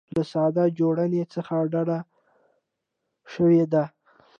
له ساده جوړونې څخه ډډه شوې ده.